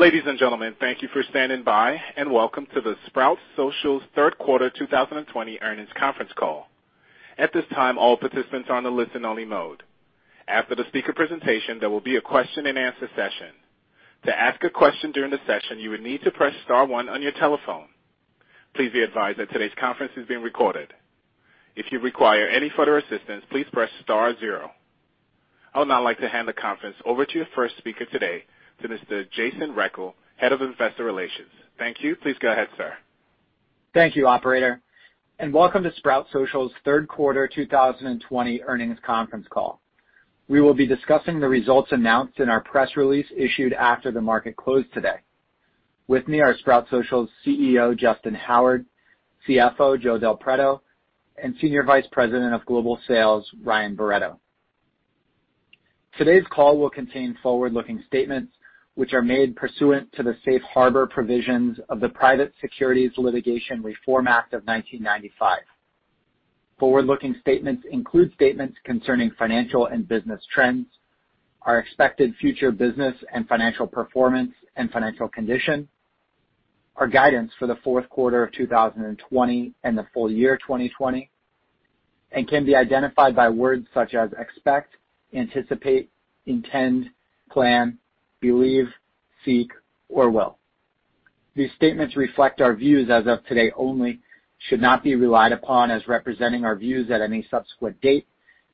Ladies and gentlemen, thank you for standing by, and welcome to the Sprout Social's Third Quarter 2020 Earnings Conference Call. At this time, all participants are on a listen-only mode. After the speaker presentation, there will be a question-and-answer session. To ask a question during the session, you would need to press star one on your telephone. Please be advised that today's conference is being recorded. If you require any further assistance, please press star zero. I would now like to hand the conference over to your first speaker today, to Mr. Jason Rechel, Head of Investor Relations. Thank you. Please go ahead, sir. Thank you, Operator, and welcome to Sprout Social's Third Quarter 2020 Earnings Conference Call. We will be discussing the results announced in our press release issued after the market closed today. With me are Sprout Social's CEO, Justyn Howard, CFO, Joe Del Preto, and Senior Vice President of Global Sales, Ryan Barretto. Today's call will contain forward-looking statements which are made pursuant to the safe harbor provisions of the Private Securities Litigation Reform Act of 1995. Forward-looking statements include statements concerning financial and business trends, our expected future business and financial performance and financial condition, our guidance for the fourth quarter of 2020 and the full year 2020, and can be identified by words such as expect, anticipate, intend, plan, believe, seek, or will. These statements reflect our views as of today only, should not be relied upon as representing our views at any subsequent date,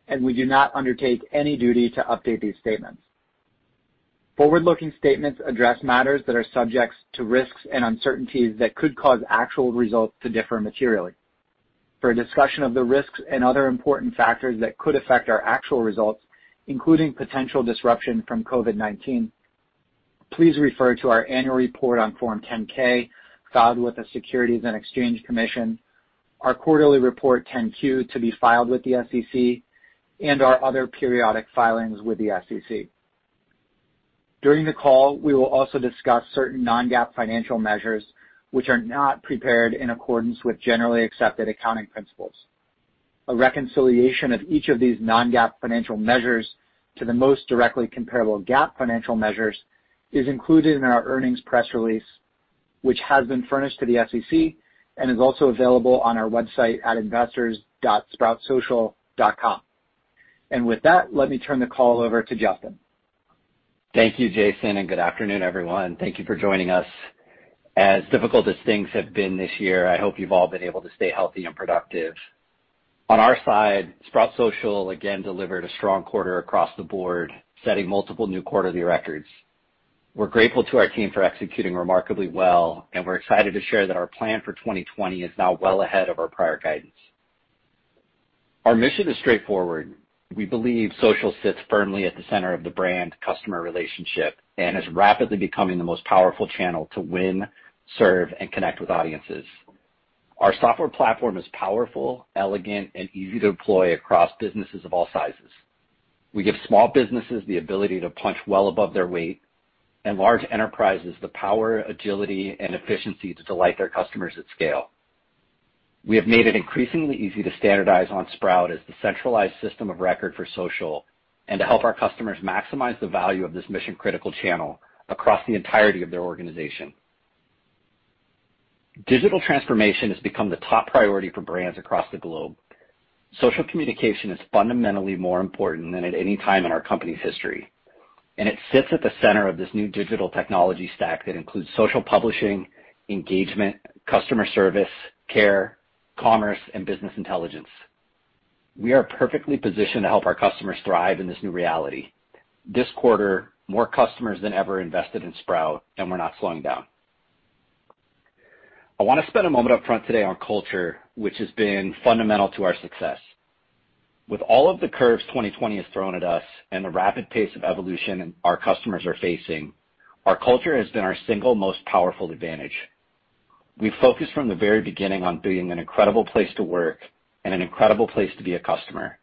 and we do not undertake any duty to update these statements. Forward-looking statements address matters that are subject to risks and uncertainties that could cause actual results to differ materially. For a discussion of the risks and other important factors that could affect our actual results, including potential disruption from COVID-19, please refer to our annual report on Form 10-K, filed with the Securities and Exchange Commission, our quarterly report 10-Q to be filed with the SEC, and our other periodic filings with the SEC. During the call, we will also discuss certain non-GAAP financial measures which are not prepared in accordance with generally accepted accounting principles. A reconciliation of each of these Non-GAAP financial measures to the most directly comparable GAAP financial measures is included in our earnings press release, which has been furnished to the SEC and is also available on our website at investors.sproutsocial.com, and with that, let me turn the call over to Justyn. Thank you, Jason, and good afternoon, everyone. Thank you for joining us. As difficult as things have been this year, I hope you've all been able to stay healthy and productive. On our side, Sprout Social again delivered a strong quarter across the board, setting multiple new quarterly records. We're grateful to our team for executing remarkably well, and we're excited to share that our plan for 2020 is now well ahead of our prior guidance. Our mission is straightforward. We believe social sits firmly at the center of the brand-customer relationship and is rapidly becoming the most powerful channel to win, serve, and connect with audiences. Our software platform is powerful, elegant, and easy to deploy across businesses of all sizes. We give small businesses the ability to punch well above their weight and large enterprises the power, agility, and efficiency to delight their customers at scale. We have made it increasingly easy to standardize on Sprout as the centralized system of record for Social and to help our customers maximize the value of this mission-critical channel across the entirety of their organization. Digital transformation has become the top priority for brands across the globe. Social communication is fundamentally more important than at any time in our company's history, and it sits at the center of this new digital technology stack that includes social publishing, engagement, customer service, care, commerce, and business intelligence. We are perfectly positioned to help our customers thrive in this new reality. This quarter, more customers than ever invested in Sprout, and we're not slowing down. I want to spend a moment up front today on culture, which has been fundamental to our success. With all of the curves 2020 has thrown at us and the rapid pace of evolution our customers are facing, our culture has been our single most powerful advantage. We focused from the very beginning on being an incredible place to work and an incredible place to be a customer,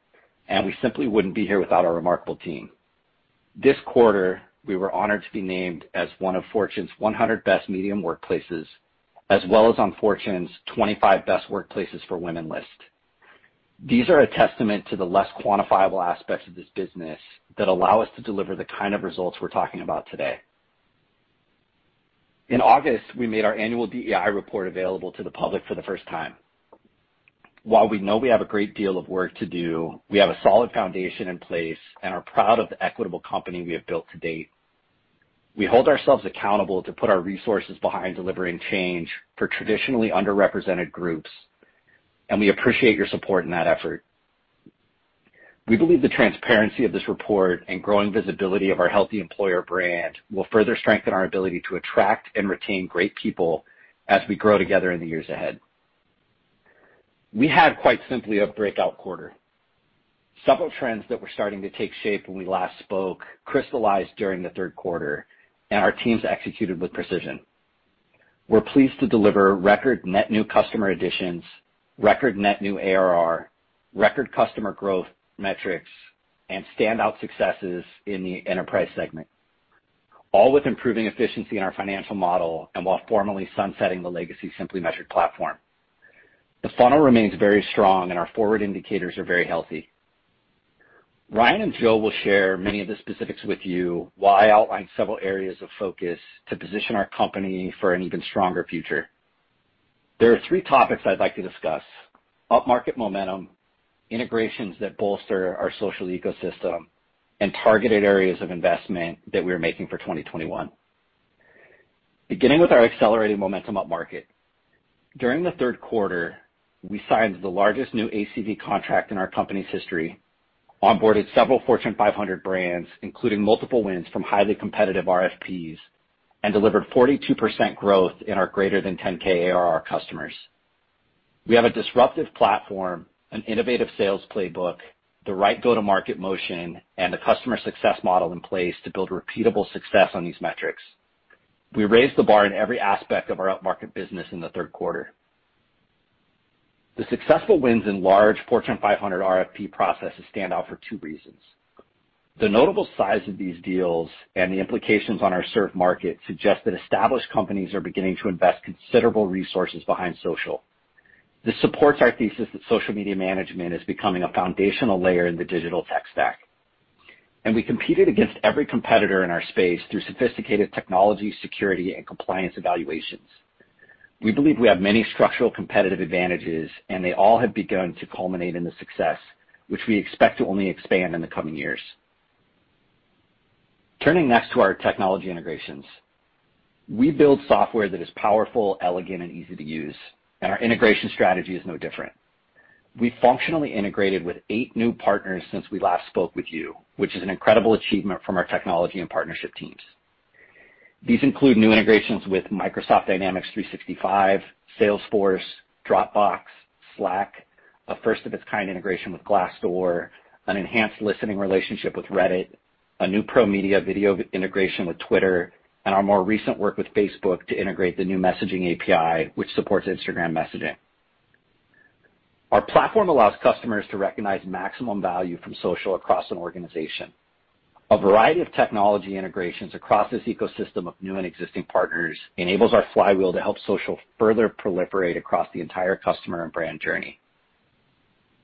and we simply wouldn't be here without our remarkable team. This quarter, we were honored to be named as one of Fortune's 100 Best Medium Workplaces as well as on Fortune's 25 Best Workplaces for Women list. These are a testament to the less quantifiable aspects of this business that allow us to deliver the kind of results we're talking about today. In August, we made our annual DEI report available to the public for the first time. While we know we have a great deal of work to do, we have a solid foundation in place and are proud of the equitable company we have built to date. We hold ourselves accountable to put our resources behind delivering change for traditionally underrepresented groups, and we appreciate your support in that effort. We believe the transparency of this report and growing visibility of our healthy employer brand will further strengthen our ability to attract and retain great people as we grow together in the years ahead. We had, quite simply, a breakout quarter. Several trends that were starting to take shape when we last spoke crystallized during the third quarter, and our teams executed with precision. We're pleased to deliver record net new customer additions, record net new ARR, record customer growth metrics, and standout successes in the enterprise segment, all with improving efficiency in our financial model and while formally sunsetting the legacy Simply Metric platform. The funnel remains very strong, and our forward indicators are very healthy. Ryan and Joe will share many of the specifics with you while I outline several areas of focus to position our company for an even stronger future. There are three topics I'd like to discuss: upmarket momentum, integrations that bolster our social ecosystem, and targeted areas of investment that we are making for 2021. Beginning with our accelerating momentum upmarket, during the third quarter, we signed the largest new ACV contract in our company's history, onboarded several Fortune 500 brands, including multiple wins from highly competitive RFPs, and delivered 42% growth in our greater-than-10k ARR customers. We have a disruptive platform, an innovative sales playbook, the right go-to-market motion, and a customer success model in place to build repeatable success on these metrics. We raised the bar in every aspect of our upmarket business in the third quarter. The successful wins in large Fortune 500 RFP processes stand out for two reasons. The notable size of these deals and the implications on our service market suggest that established companies are beginning to invest considerable resources behind social. This supports our thesis that social media management is becoming a foundational layer in the digital tech stack. We competed against every competitor in our space through sophisticated technology, security, and compliance evaluations. We believe we have many structural competitive advantages, and they all have begun to culminate in the success, which we expect to only expand in the coming years. Turning next to our technology integrations, we build software that is powerful, elegant, and easy to use, and our integration strategy is no different. We've functionally integrated with eight new partners since we last spoke with you, which is an incredible achievement from our technology and partnership teams. These include new integrations with Microsoft Dynamics 365, Salesforce, Dropbox, Slack, a first-of-its-kind integration with Glassdoor, an enhanced listening relationship with Reddit, a new Pro Media video integration with Twitter, and our more recent work with Facebook to integrate the new messaging API, which supports Instagram messaging. Our platform allows customers to recognize maximum value from Social across an organization. A variety of technology integrations across this ecosystem of new and existing partners enables our flywheel to help Social further proliferate across the entire customer and brand journey.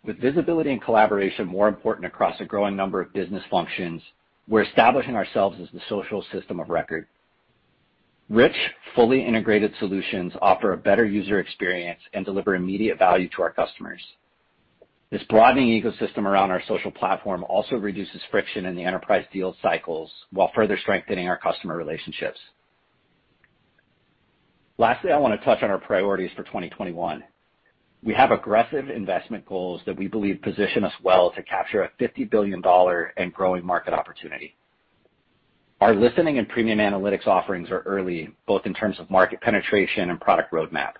With visibility and collaboration more important across a growing number of business functions, we're establishing ourselves as the social system of record. Rich, fully integrated solutions offer a better user experience and deliver immediate value to our customers. This broadening ecosystem around our social platform also reduces friction in the enterprise deal cycles while further strengthening our customer relationships. Lastly, I want to touch on our priorities for 2021. We have aggressive investment goals that we believe position us well to capture a $50 billion and growing market opportunity. Our listening and premium analytics offerings are early, both in terms of market penetration and product roadmap.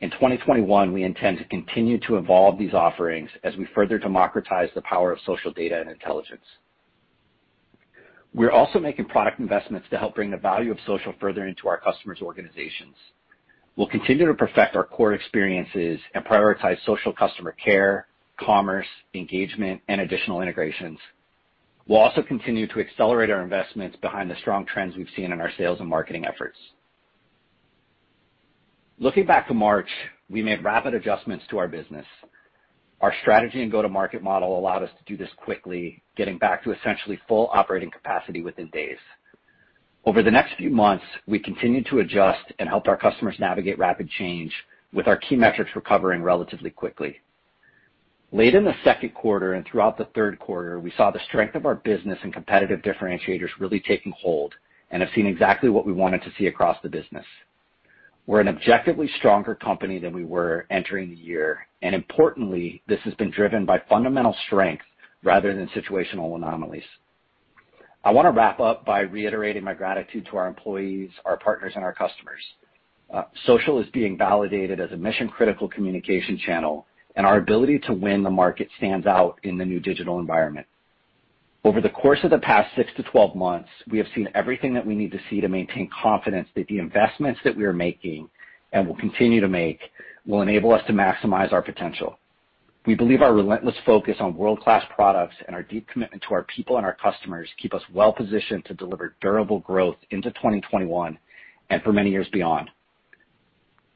In 2021, we intend to continue to evolve these offerings as we further democratize the power of social data and intelligence. We're also making product investments to help bring the value of social further into our customers' organizations. We'll continue to perfect our core experiences and prioritize social customer care, commerce, engagement, and additional integrations. We'll also continue to accelerate our investments behind the strong trends we've seen in our sales and marketing efforts. Looking back to March, we made rapid adjustments to our business. Our strategy and go-to-market model allowed us to do this quickly, getting back to essentially full operating capacity within days. Over the next few months, we continued to adjust and help our customers navigate rapid change, with our key metrics recovering relatively quickly. Late in the second quarter and throughout the third quarter, we saw the strength of our business and competitive differentiators really taking hold and have seen exactly what we wanted to see across the business. We're an objectively stronger company than we were entering the year, and importantly, this has been driven by fundamental strength rather than situational anomalies. I want to wrap up by reiterating my gratitude to our employees, our partners, and our customers. Social is being validated as a mission-critical communication channel, and our ability to win the market stands out in the new digital environment. Over the course of the past six to 12 months, we have seen everything that we need to see to maintain confidence that the investments that we are making and will continue to make will enable us to maximize our potential. We believe our relentless focus on world-class products and our deep commitment to our people and our customers keep us well-positioned to deliver durable growth into 2021 and for many years beyond.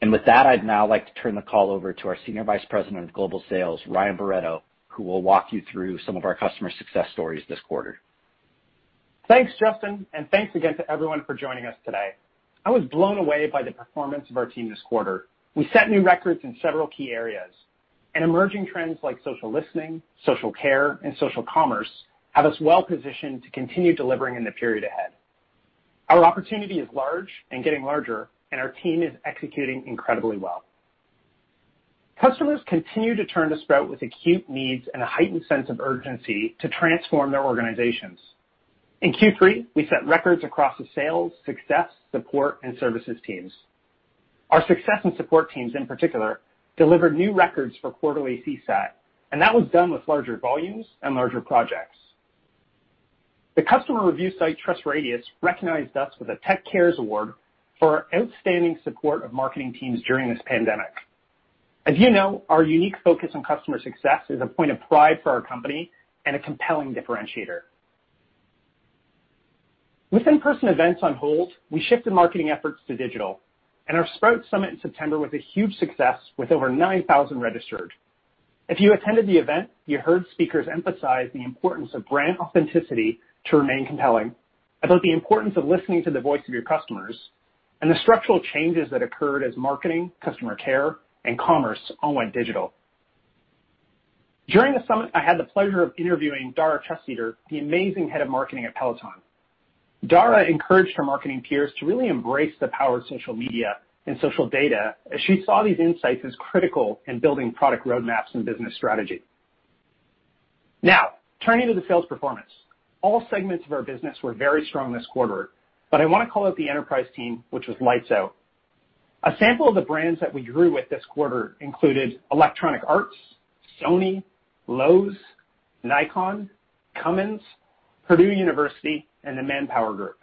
And with that, I'd now like to turn the call over to our Senior Vice President of Global Sales, Ryan Barretto, who will walk you through some of our customer success stories this quarter. Thanks, Justyn, and thanks again to everyone for joining us today. I was blown away by the performance of our team this quarter. We set new records in several key areas, and emerging trends like social listening, social care, and social commerce have us well-positioned to continue delivering in the period ahead. Our opportunity is large and getting larger, and our team is executing incredibly well. Customers continue to turn to Sprout with acute needs and a heightened sense of urgency to transform their organizations. In Q3, we set records across the sales, success, support, and services teams. Our success and support teams, in particular, delivered new records for quarterly CSAT, and that was done with larger volumes and larger projects. The customer review site TrustRadius recognized us with a Tech Cares Award for our outstanding support of marketing teams during this pandemic. As you know, our unique focus on customer success is a point of pride for our company and a compelling differentiator. With in-person events on hold, we shifted marketing efforts to digital, and our Sprout Summit in September was a huge success with over 9,000 registered. If you attended the event, you heard speakers emphasize the importance of brand authenticity to remain compelling, about the importance of listening to the voice of your customers, and the structural changes that occurred as marketing, customer care, and commerce all went digital. During the summit, I had the pleasure of interviewing Dara Treseder, the amazing head of marketing at Peloton. Dara encouraged her marketing peers to really embrace the power of social media and social data as she saw these insights as critical in building product roadmaps and business strategy. Now, turning to the sales performance, all segments of our business were very strong this quarter, but I want to call out the enterprise team, which was lights out. A sample of the brands that we grew with this quarter included Electronic Arts, Sony, Lowe's, Nikon, Cummins, Purdue University, and the ManpowerGroup.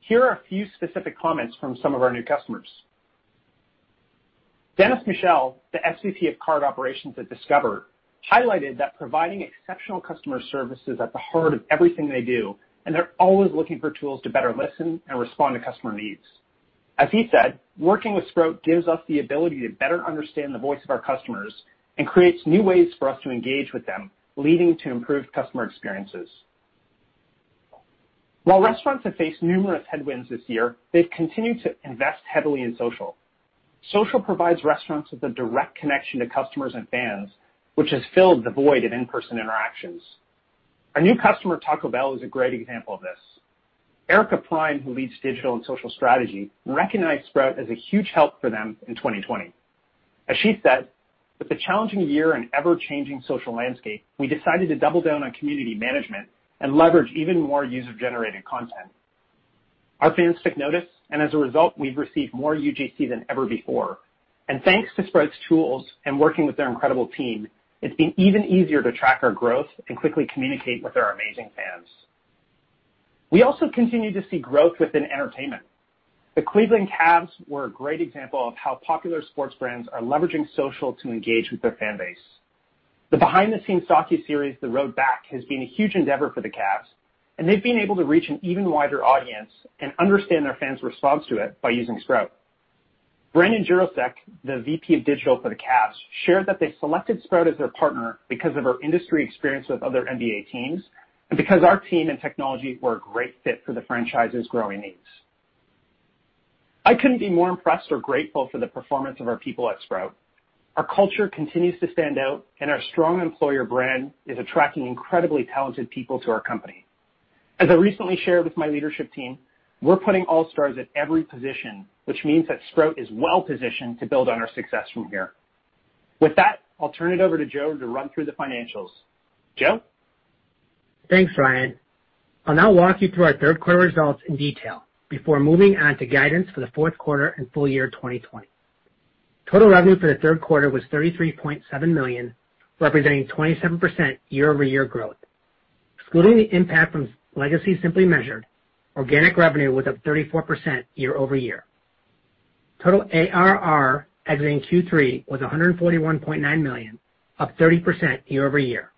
Here are a few specific comments from some of our new customers. Dennis Michel, the SVP of Card Operations at Discover, highlighted that providing exceptional customer service is at the heart of everything they do, and they're always looking for tools to better listen and respond to customer needs. As he said, working with Sprout gives us the ability to better understand the voice of our customers and creates new ways for us to engage with them, leading to improved customer experiences. While restaurants have faced numerous headwinds this year, they've continued to invest heavily in social. Social provides restaurants with a direct connection to customers and fans, which has filled the void of in-person interactions. Our new customer, Taco Bell, is a great example of this. Erica Prime, who leads digital and social strategy, recognized Sprout as a huge help for them in 2020. As she said, "With a challenging year and ever-changing social landscape, we decided to double down on community management and leverage even more user-generated content." Our fans took notice, and as a result, we've received more UGC than ever before, and thanks to Sprout's tools and working with their incredible team, it's been even easier to track our growth and quickly communicate with our amazing fans. We also continue to see growth within entertainment. The Cleveland Cavs were a great example of how popular sports brands are leveraging Sprout Social to engage with their fan base. The behind-the-scenes docuseries, The Road Back, has been a huge endeavor for the Cavs, and they've been able to reach an even wider audience and understand their fans' response to it by using Sprout. Brendon Jurosko, the VP of Digital for the Cavs, shared that they selected Sprout as their partner because of our industry experience with other NBA teams and because our team and technology were a great fit for the franchise's growing needs. I couldn't be more impressed or grateful for the performance of our people at Sprout. Our culture continues to stand out, and our strong employer brand is attracting incredibly talented people to our company. As I recently shared with my leadership team, we're putting all stars at every position, which means that Sprout is well-positioned to build on our success from here. With that, I'll turn it over to Joe to run through the financials. Joe? Thanks, Ryan. I'll now walk you through our third quarter results in detail before moving on to guidance for the fourth quarter and full year 2020. Total revenue for the third quarter was $33.7 million, representing 27% year-over-year growth. Excluding the impact from legacy Simply Measured, organic revenue was up 34% year-over-year. Total ARR exiting Q3 was $141.9 million, up 30% year-over-year.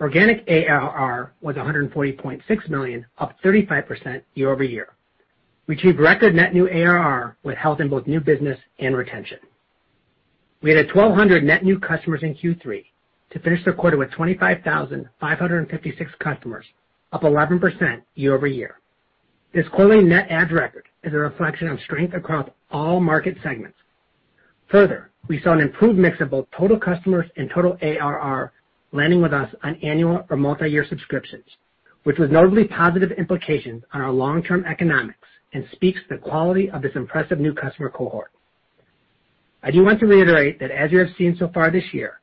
Organic ARR was $140.6 million, up 35% year-over-year. We achieved record net new ARR with health in both new business and retention. We had 1,200 net new customers in Q3 to finish the quarter with 25,556 customers, up 11% year-over-year. This quarterly net adds record as a reflection of strength across all market segments. Further, we saw an improved mix of both total customers and total ARR landing with us on annual or multi-year subscriptions, which was notably positive implications on our long-term economics and speaks to the quality of this impressive new customer cohort. I do want to reiterate that as you have seen so far this year,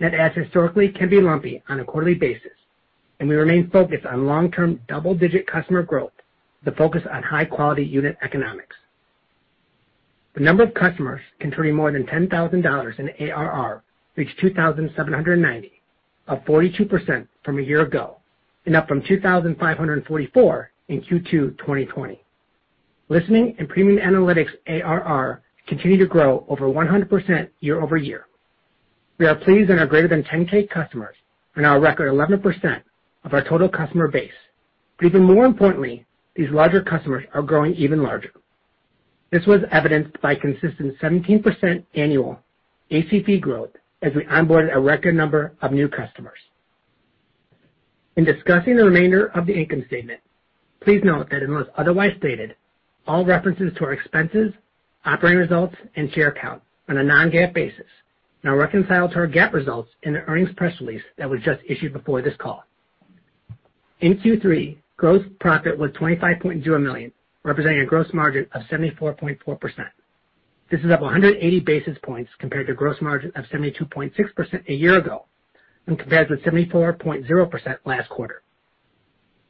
net adds historically can be lumpy on a quarterly basis, and we remain focused on long-term double-digit customer growth with a focus on high-quality unit economics. The number of customers contributing more than $10,000 in ARR reached 2,790, up 42% from a year ago and up from 2,544 in Q2 2020. Listening and premium analytics ARR continue to grow over 100% year-over-year. We are pleased on our greater than 10K customers and our record 11% of our total customer base, but even more importantly, these larger customers are growing even larger. This was evidenced by consistent 17% annual ACV growth as we onboarded a record number of new customers. In discussing the remainder of the income statement, please note that in what's otherwise stated, all references to our expenses, operating results, and share count on a non-GAAP basis now reconcile to our GAAP results in the earnings press release that was just issued before this call. In Q3, gross profit was $25.0 million, representing a gross margin of 74.4%. This is up 180 basis points compared to a gross margin of 72.6% a year ago when compared with 74.0% last quarter.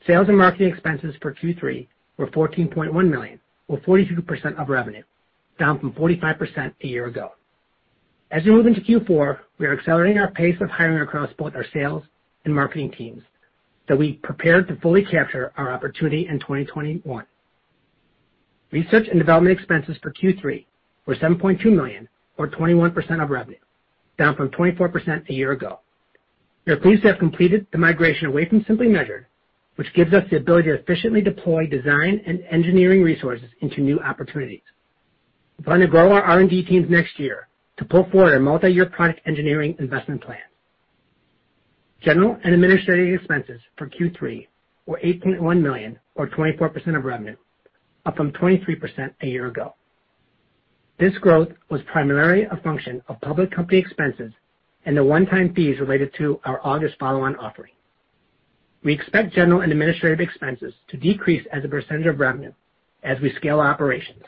Sales and marketing expenses for Q3 were $14.1 million, or 42% of revenue, down from 45% a year ago. As we move into Q4, we are accelerating our pace of hiring across both our sales and marketing teams so we prepared to fully capture our opportunity in 2021. Research and development expenses for Q3 were $7.2 million, or 21% of revenue, down from 24% a year ago. We are pleased to have completed the migration away from Simply Measured, which gives us the ability to efficiently deploy design and engineering resources into new opportunities. We plan to grow our R&D teams next year to pull forward a multi-year product engineering investment plan. General and administrative expenses for Q3 were $8.1 million, or 24% of revenue, up from 23% a year ago. This growth was primarily a function of public company expenses and the one-time fees related to our August follow-on offering. We expect general and administrative expenses to decrease as a percentage of revenue as we scale operations.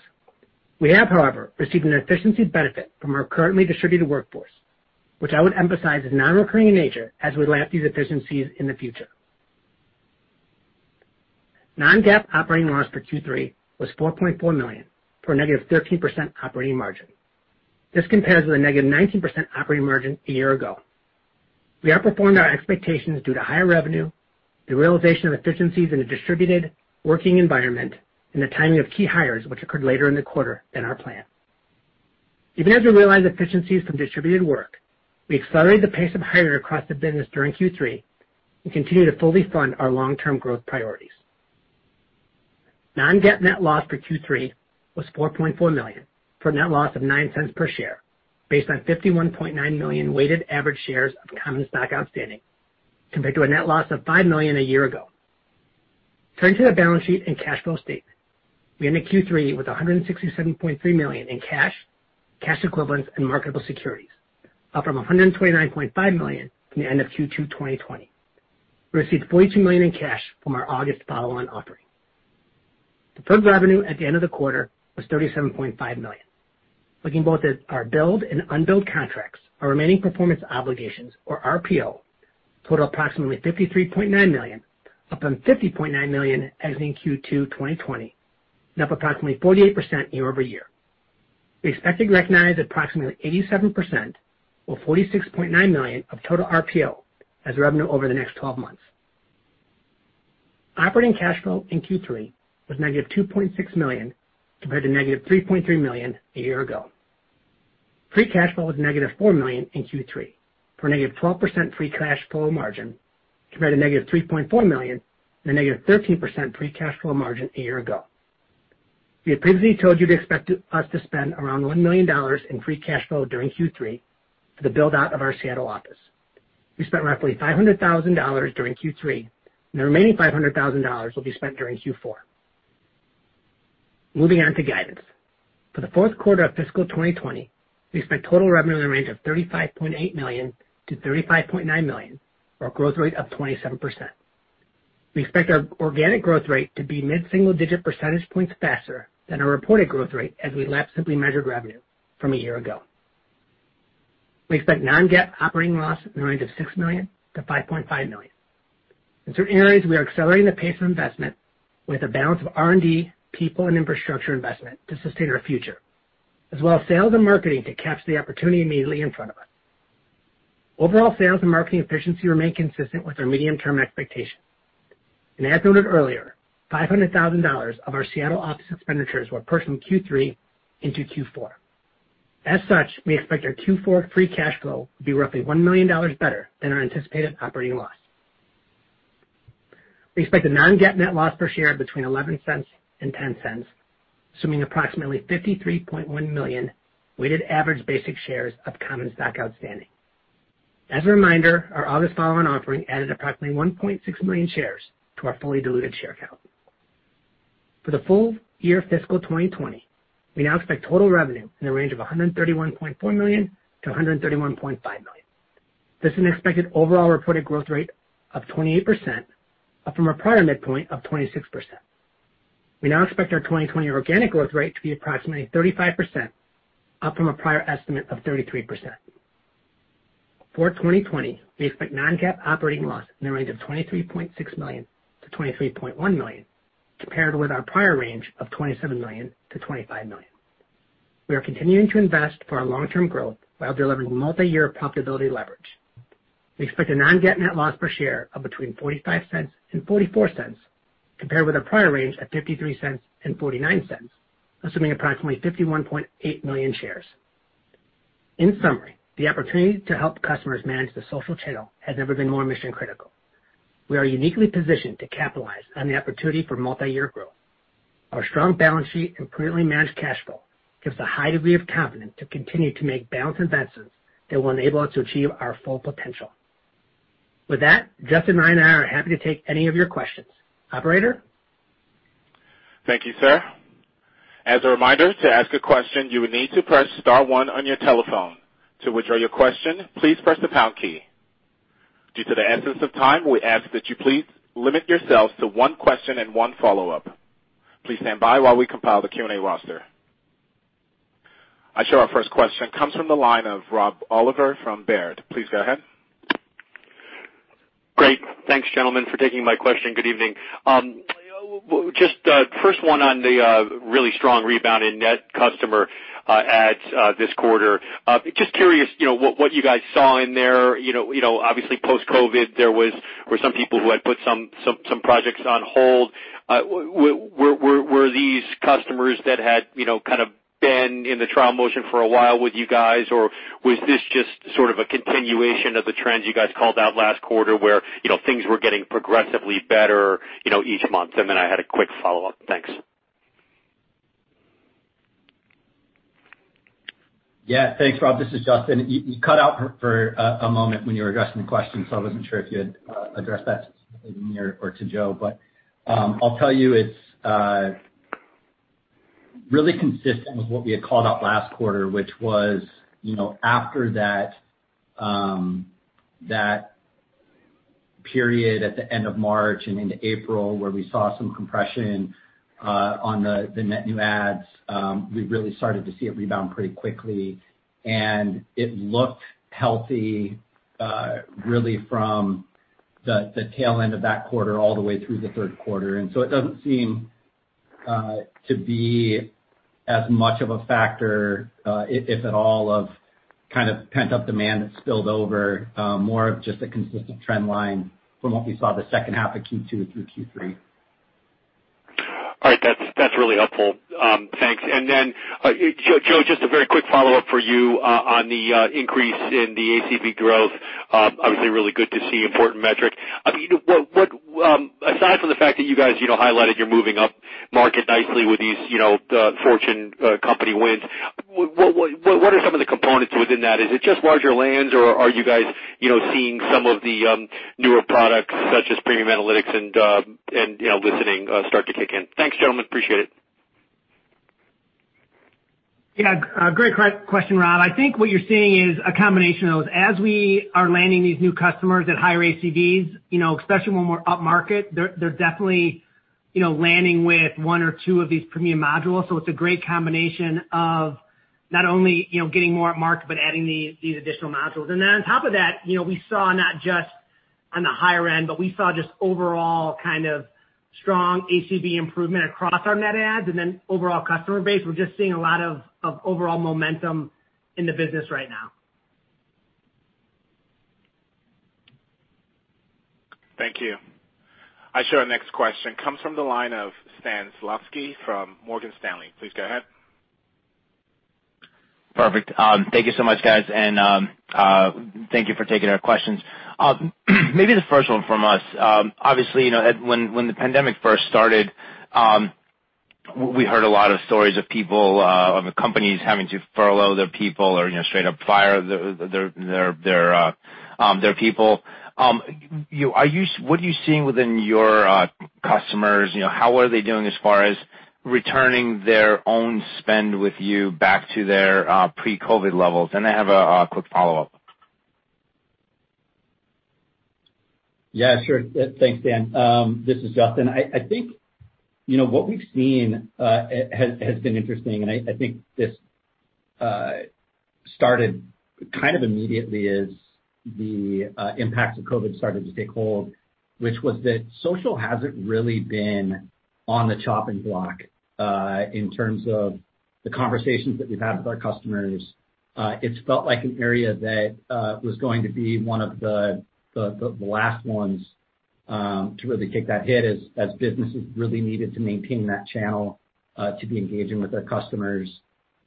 We have, however, received an efficiency benefit from our currently distributed workforce, which I would emphasize is non-recurring in nature as we ramp these efficiencies in the future. Non-GAAP operating loss for Q3 was $4.4 million, for a negative 13% operating margin. This compares with a negative 19% operating margin a year ago. We outperformed our expectations due to higher revenue, the realization of efficiencies in a distributed working environment, and the timing of key hires, which occurred later in the quarter than our plan. Even as we realized efficiencies from distributed work, we accelerated the pace of hiring across the business during Q3 and continued to fully fund our long-term growth priorities. Non-GAAP net loss for Q3 was $4.4 million, for a net loss of $0.09 per share, based on 51.9 million weighted average shares of common stock outstanding, compared to a net loss of $5 million a year ago. Turning to the balance sheet and cash flow statement, we ended Q3 with $167.3 million in cash, cash equivalents, and marketable securities, up from $129.5 million from the end of Q2 2020. We received $42 million in cash from our August follow-on offering. Deferred revenue at the end of the quarter was $37.5 million. Looking both at our billed and unbilled contracts, our remaining performance obligations, or RPO, totaled approximately $53.9 million, up from $50.9 million exiting Q2 2020, and up approximately 48% year-over-year. We expect to recognize approximately 87%, or $46.9 million, of total RPO as revenue over the next 12 months. Operating cash flow in Q3 was negative $2.6 million, compared to negative $3.3 million a year ago. Free cash flow was negative $4 million in Q3, for a negative 12% free cash flow margin, compared to negative $3.4 million and a negative 13% free cash flow margin a year ago. We had previously told you to expect us to spend around $1 million in free cash flow during Q3 for the build-out of our Seattle office. We spent roughly $500,000 during Q3, and the remaining $500,000 will be spent during Q4. Moving on to guidance. For the fourth quarter of fiscal 2020, we expect total revenue in the range of $35.8 million-$35.9 million, or a growth rate of 27%. We expect our organic growth rate to be mid-single-digit percentage points faster than our reported growth rate as we lapse Simply Measured revenue from a year ago. We expect non-GAAP operating loss in the range of $6 million-$5.5 million. In certain areas, we are accelerating the pace of investment with a balance of R&D, people, and infrastructure investment to sustain our future, as well as sales and marketing to capture the opportunity immediately in front of us. Overall, sales and marketing efficiency remain consistent with our medium-term expectations, and as noted earlier, $500,000 of our Seattle office expenditures were pushed from Q3 into Q4. As such, we expect our Q4 free cash flow to be roughly $1 million better than our anticipated operating loss. We expect a non-GAAP net loss per share between $0.11 and $0.10, assuming approximately $53.1 million weighted average basic shares of common stock outstanding. As a reminder, our August follow-on offering added approximately 1.6 million shares to our fully diluted share count. For the full year fiscal 2020, we now expect total revenue in the range of $131.4 million-$131.5 million. This is an expected overall reported growth rate of 28%, up from our prior midpoint of 26%. We now expect our 2020 organic growth rate to be approximately 35%, up from a prior estimate of 33%. For 2020, we expect non-GAAP operating loss in the range of $23.6 million to $23.1 million, compared with our prior range of $27 million to $25 million. We are continuing to invest for our long-term growth while delivering multi-year profitability leverage. We expect a non-GAAP net loss per share of between $0.45 and $0.44, compared with our prior range of $0.53 and $0.49, assuming approximately $51.8 million shares. In summary, the opportunity to help customers manage the social channel has never been more mission-critical. We are uniquely positioned to capitalize on the opportunity for multi-year growth. Our strong balance sheet and prudently managed cash flow give us a high degree of confidence to continue to make balanced investments that will enable us to achieve our full potential. With that, Justyn, Ryan and I are happy to take any of your questions. Operator? Thank you, sir. As a reminder, to ask a question, you would need to press star one on your telephone. To withdraw your question, please press the pound key. Due to the essence of time, we ask that you please limit yourselves to one question and one follow-up. Please stand by while we compile the Q&A roster. I show our first question comes from the line of Rob Oliver from Baird. Please go ahead. Great. Thanks, gentlemen, for taking my question. Good evening. Just the first one on the really strong rebound in net customer adds this quarter. Just curious what you guys saw in there. Obviously, post-COVID, there were some people who had put some projects on hold. Were these customers that had kind of been in the trial motion for a while with you guys, or was this just sort of a continuation of the trend you guys called out last quarter where things were getting progressively better each month? And then I had a quick follow-up. Thanks. Yeah. Thanks, Rob. This is Justyn. You cut out for a moment when you were addressing the question, so I wasn't sure if you had addressed that to me or to Joe, but I'll tell you it's really consistent with what we had called out last quarter, which was after that period at the end of March and into April where we saw some compression on the net new adds. We really started to see it rebound pretty quickly, and it looked healthy, really, from the tail end of that quarter all the way through the third quarter, so it doesn't seem to be as much of a factor, if at all, of kind of pent-up demand that spilled over, more of just a consistent trend line from what we saw the second half of Q2 through Q3. All right. That's really helpful. Thanks. And then, Joe, just a very quick follow-up for you on the increase in the ACV growth. Obviously, really good to see important metrics. Aside from the fact that you guys highlighted you're moving up market nicely with these Fortune company wins, what are some of the components within that? Is it just larger lands, or are you guys seeing some of the newer products, such as premium analytics and listening, start to kick in? Thanks, gentlemen. Appreciate it. Yeah. Great question, Rob. I think what you're seeing is a combination of those. As we are landing these new customers at higher ACVs, especially when we're up market, they're definitely landing with one or two of these premium modules. So it's a great combination of not only getting more up market but adding these additional modules. And then on top of that, we saw not just on the higher end, but we saw just overall kind of strong ACV improvement across our net adds and then overall customer base. We're just seeing a lot of overall momentum in the business right now. Thank you. Our next question comes from the line of Stan Zlotsky from Morgan Stanley. Please go ahead. Perfect. Thank you so much, guys. And thank you for taking our questions. Maybe the first one from us. Obviously, when the pandemic first started, we heard a lot of stories of people, of companies having to furlough their people or straight-up fire their people. What are you seeing within your customers? How are they doing as far as returning their own spend with you back to their pre-COVID levels? And I have a quick follow-up. Yeah. Sure. Thanks, Dan. This is Justyn. I think what we've seen has been interesting, and I think this started kind of immediately as the impacts of COVID started to take hold, which was that social hasn't really been on the chopping block in terms of the conversations that we've had with our customers. It's felt like an area that was going to be one of the last ones to really take that hit as businesses really needed to maintain that channel to be engaging with their customers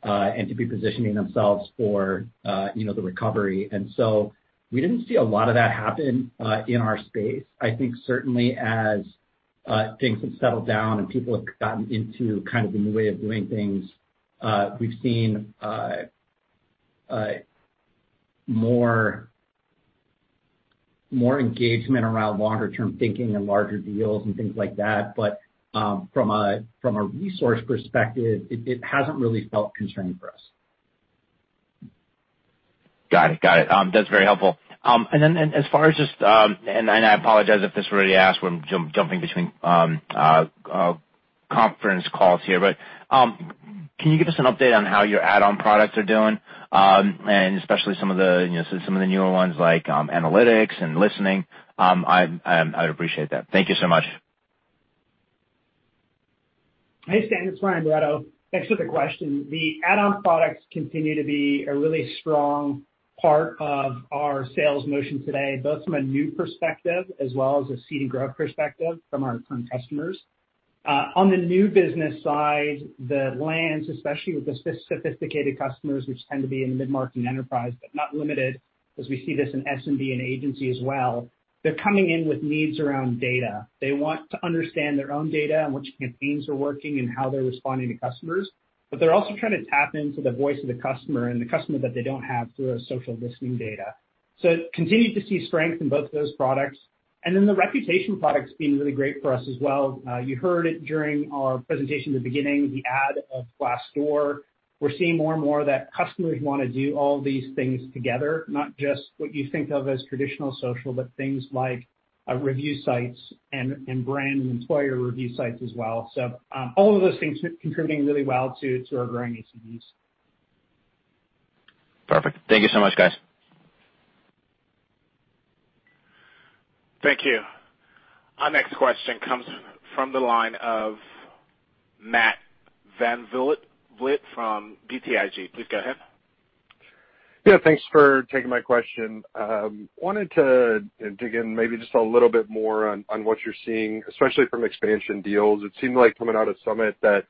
and to be positioning themselves for the recovery, and so we didn't see a lot of that happen in our space. I think certainly as things have settled down and people have gotten into kind of a new way of doing things, we've seen more engagement around longer-term thinking and larger deals and things like that. But from a resource perspective, it hasn't really felt constrained for us. Got it. Got it. That's very helpful, and then as far as just, and I apologize if this is already asked when jumping between conference calls here, but can you give us an update on how your add-on products are doing, and especially some of the newer ones like analytics and listening? I would appreciate that. Thank you so much. Hey, Stan. It's Ryan Barretto. Thanks for the question. The add-on products continue to be a really strong part of our sales motion today, both from a new perspective as well as a seed and growth perspective from our current customers. On the new business side, the lands, especially with the sophisticated customers, which tend to be in the mid-market and enterprise, but not limited, as we see this in SMB and agency as well, they're coming in with needs around data. They want to understand their own data and which campaigns are working and how they're responding to customers. But they're also trying to tap into the voice of the customer and the customer that they don't have through our Social Listening data. So continue to see strength in both those products. And then the reputation product's been really great for us as well. You heard it during our presentation at the beginning, the addition of Glassdoor. We're seeing more and more that customers want to do all these things together, not just what you think of as traditional social, but things like review sites and brand and employer review sites as well. So all of those things contributing really well to our growing ACVs. Perfect. Thank you so much, guys. Thank you. Our next question comes from the line of Matt Van Vliet from BTIG. Please go ahead. Yeah. Thanks for taking my question. Wanted to dig in maybe just a little bit more on what you're seeing, especially from expansion deals. It seemed like coming out of Summit that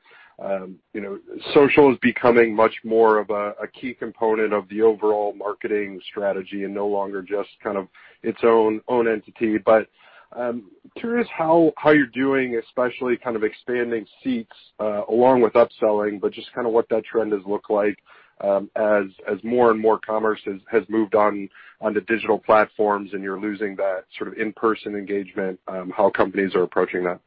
Social is becoming much more of a key component of the overall marketing strategy and no longer just kind of its own entity. But curious how you're doing, especially kind of expanding seats along with upselling, but just kind of what that trend has looked like as more and more commerce has moved on to digital platforms and you're losing that sort of in-person engagement, how companies are approaching that?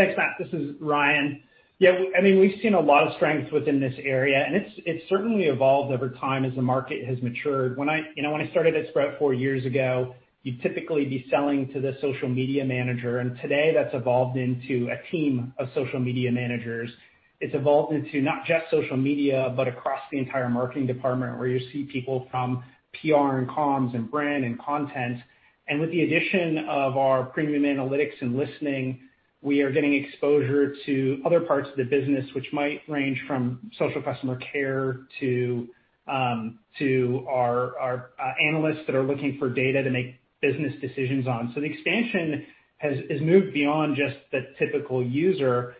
Thanks, Matt. This is Ryan. Yeah. I mean, we've seen a lot of strength within this area, and it's certainly evolved over time as the market has matured. When I started at Sprout four years ago, you'd typically be selling to the social media manager. And today, that's evolved into a team of social media managers. It's evolved into not just social media but across the entire marketing department where you see people from PR and comms and brand and content. And with the addition of our premium analytics and listening, we are getting exposure to other parts of the business, which might range from social customer care to our analysts that are looking for data to make business decisions on. So the expansion has moved beyond just the typical user.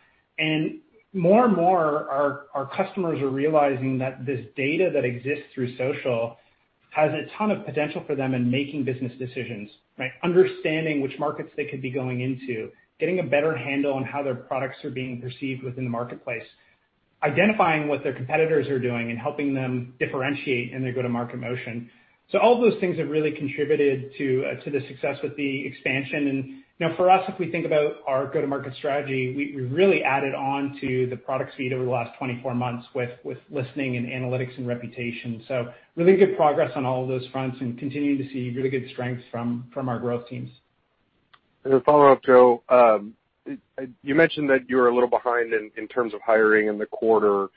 More and more, our customers are realizing that this data that exists through Social has a ton of potential for them in making business decisions, right? Understanding which markets they could be going into, getting a better handle on how their products are being perceived within the marketplace, identifying what their competitors are doing, and helping them differentiate in their go-to-market motion. All of those things have really contributed to the success with the expansion. For us, if we think about our go-to-market strategy, we really added on to the product suite over the last 24 months with listening and analytics and reputation. Really good progress on all of those fronts and continuing to see really good strength from our growth teams. As a follow-up, Joe, you mentioned that you were a little behind in terms of hiring in the quarter.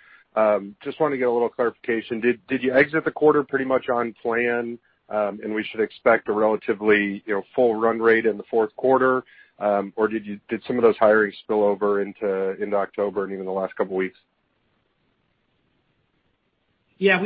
Just wanted to get a little clarification. Did you exit the quarter pretty much on plan, and we should expect a relatively full run rate in the fourth quarter? Or did some of those hirings spill over into October and even the last couple of weeks? Yeah.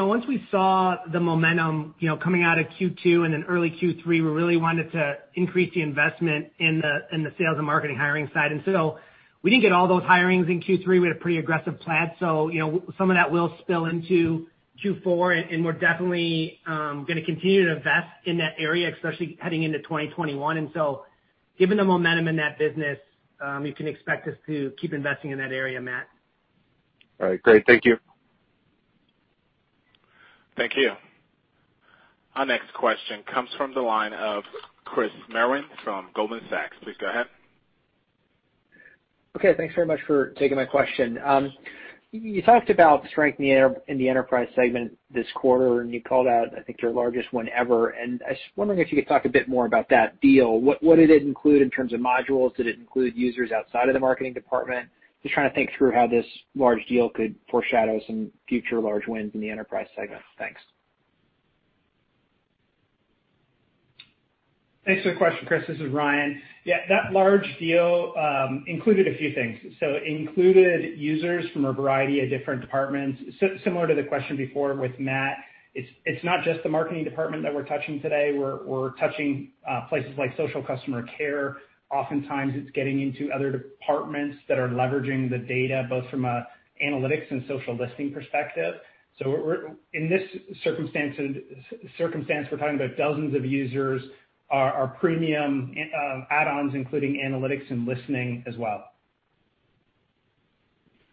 Once we saw the momentum coming out of Q2 and then early Q3, we really wanted to increase the investment in the sales and marketing hiring side. And so we didn't get all those hirings in Q3. We had a pretty aggressive plan. So some of that will spill into Q4, and we're definitely going to continue to invest in that area, especially heading into 2021. And so given the momentum in that business, you can expect us to keep investing in that area, Matt. All right. Great. Thank you. Thank you. Our next question comes from the line of Chris Merwin from Goldman Sachs. Please go ahead. Okay. Thanks very much for taking my question. You talked about strength in the enterprise segment this quarter, and you called out, I think, your largest one ever, and I was wondering if you could talk a bit more about that deal. What did it include in terms of modules? Did it include users outside of the marketing department? Just trying to think through how this large deal could foreshadow some future large wins in the enterprise segment. Thanks. Thanks for the question, Chris. This is Ryan. Yeah. That large deal included a few things, so it included users from a variety of different departments. Similar to the question before with Matt, it's not just the marketing department that we're touching today. We're touching places like social, customer care. Oftentimes, it's getting into other departments that are leveraging the data both from an analytics and social listening perspective, so in this circumstance, we're talking about dozens of users, our premium add-ons, including analytics and listening as well.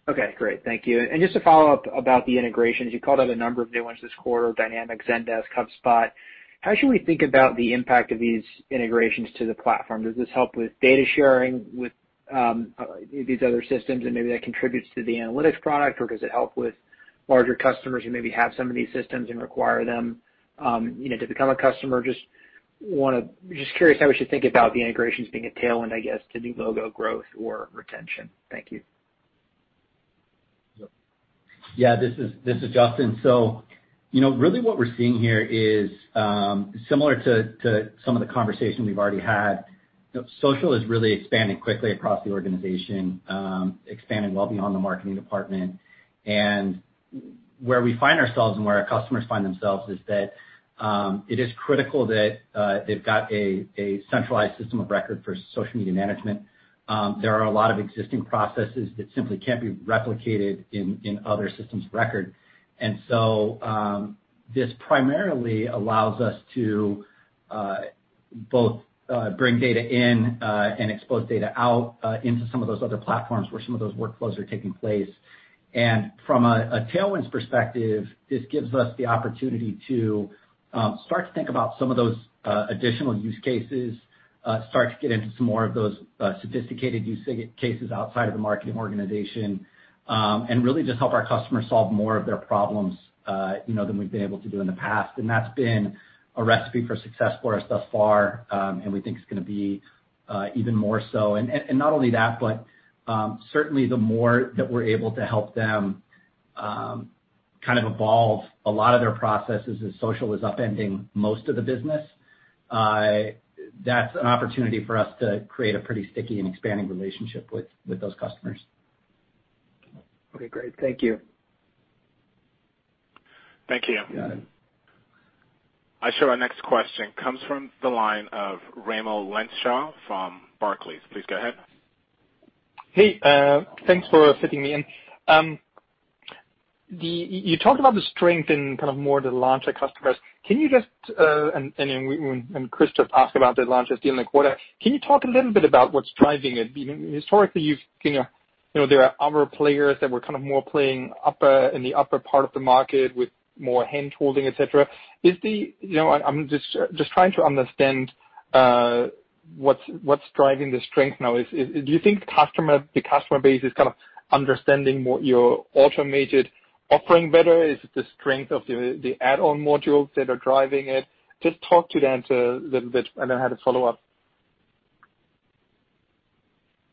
Okay. Great. Thank you. And just to follow up about the integrations, you called out a number of new ones this quarter: Dynamics, Zendesk, HubSpot. How should we think about the impact of these integrations to the platform? Does this help with data sharing with these other systems, and maybe that contributes to the analytics product? Or does it help with larger customers who maybe have some of these systems and require them to become a customer? Just curious how we should think about the integrations being a tailwind, I guess, to drive logo growth or retention. Thank you. Yeah. This is Justyn. So really what we're seeing here is similar to some of the conversation we've already had. Social is really expanding quickly across the organization, expanding well beyond the marketing department. And where we find ourselves and where our customers find themselves is that it is critical that they've got a centralized system of record for social media management. There are a lot of existing processes that simply can't be replicated in other systems of record. And so this primarily allows us to both bring data in and expose data out into some of those other platforms where some of those workflows are taking place. And from a tailwinds perspective, this gives us the opportunity to start to think about some of those additional use cases, start to get into some more of those sophisticated use cases outside of the marketing organization, and really just help our customers solve more of their problems than we've been able to do in the past. And that's been a recipe for success for us thus far, and we think it's going to be even more so. And not only that, but certainly the more that we're able to help them kind of evolve a lot of their processes as Social is upending most of the business, that's an opportunity for us to create a pretty sticky and expanding relationship with those customers. Okay. Great. Thank you. Thank you. I show our next question comes from the line of Raimo Lenschow from Barclays. Please go ahead. Hey. Thanks for fitting me in. You talked about the strength in kind of more the land-and-expand customers. Can you just, and Chris just asked about the landed deals in the quarter, can you talk a little bit about what's driving it? Historically, there are other players that were kind of more playing in the upper part of the market with more hand-holding, etc. I'm just trying to understand what's driving the strength now. Do you think the customer base is kind of understanding your automated offering better? Is it the strength of the add-on modules that are driving it? Just talk to that a little bit and then I had a follow-up.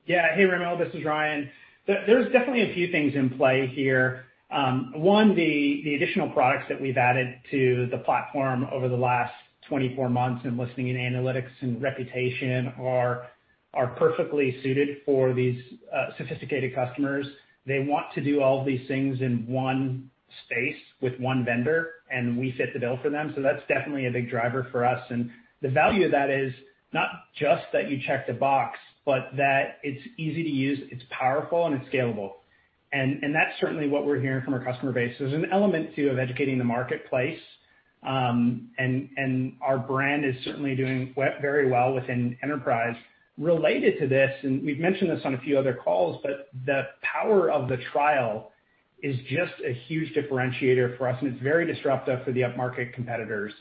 Yeah. Hey, Raymond. This is Ryan. There's definitely a few things in play here. One, the additional products that we've added to the platform over the last 24 months in listening and analytics and reputation are perfectly suited for these sophisticated customers. They want to do all of these things in one space with one vendor, and we fit the bill for them. So that's definitely a big driver for us. And the value of that is not just that you check the box, but that it's easy to use, it's powerful, and it's scalable. And that's certainly what we're hearing from our customer base. There's an element too of educating the marketplace, and our brand is certainly doing very well within enterprise. Related to this, and we've mentioned this on a few other calls, but the power of the trial is just a huge differentiator for us, and it's very disruptive for the upmarket competitors.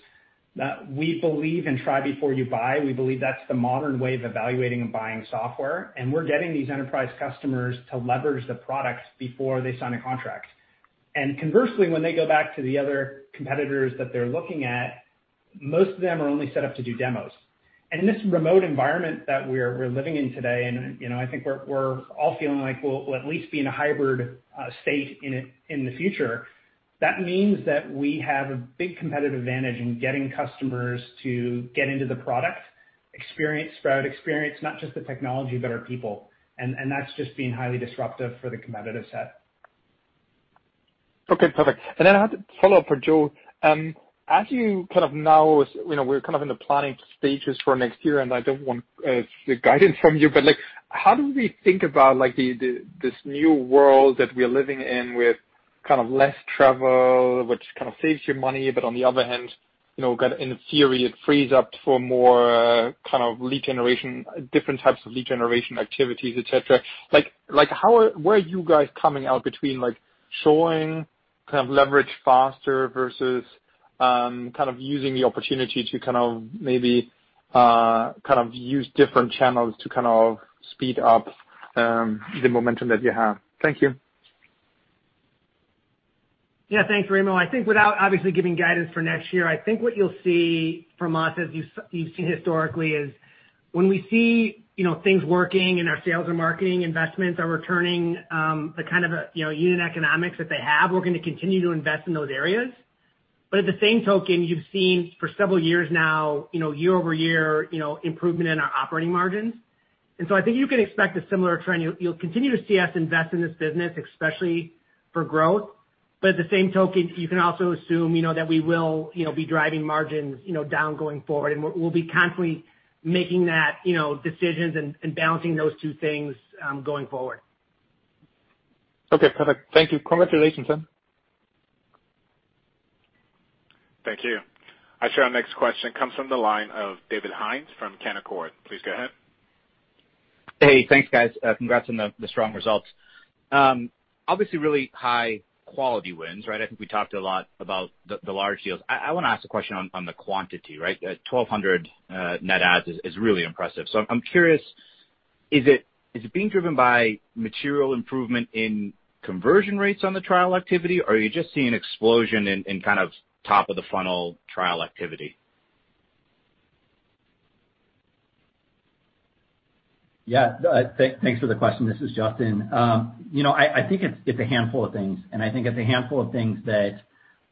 We believe in try before you buy. We believe that's the modern way of evaluating and buying software, and we're getting these enterprise customers to leverage the product before they sign a contract, and conversely, when they go back to the other competitors that they're looking at, most of them are only set up to do demos, and in this remote environment that we're living in today, and I think we're all feeling like we'll at least be in a hybrid state in the future, that means that we have a big competitive advantage in getting customers to get into the product, experience Sprout, experience not just the technology but our people. That's just being highly disruptive for the competitive set. Okay. Perfect. And then I had a follow-up for Joe. As you know, we're kind of in the planning stages for next year, and I don't want the guidance from you, but how do we think about this new world that we're living in with kind of less travel, which kind of saves you money, but on the other hand, kind of in theory, it frees up for more kind of different types of lead generation activities, etc.? Where are you guys coming out between showing kind of leverage faster versus kind of using the opportunity to kind of maybe kind of use different channels to kind of speed up the momentum that you have? Thank you. Yeah. Thanks, Raymond. I think without obviously giving guidance for next year, I think what you'll see from us, as you've seen historically, is when we see things working and our sales and marketing investments are returning the kind of unit economics that they have, we're going to continue to invest in those areas. But at the same token, you've seen for several years now, year over year, improvement in our operating margins. And so I think you can expect a similar trend. You'll continue to see us invest in this business, especially for growth. But at the same token, you can also assume that we will be driving margins down going forward, and we'll be constantly making decisions and balancing those two things going forward. Okay. Perfect. Thank you. Congratulations, then. Thank you. I show our next question comes from the line of David Hynes from Canaccord. Please go ahead. Hey. Thanks, guys. Congrats on the strong results. Obviously, really high-quality wins, right? I think we talked a lot about the large deals. I want to ask a question on the quantity, right? 1,200 net adds is really impressive. So I'm curious, is it being driven by material improvement in conversion rates on the trial activity, or are you just seeing an explosion in kind of top-of-the-funnel trial activity? Yeah. Thanks for the question. This is Justyn. I think it's a handful of things. And I think it's a handful of things that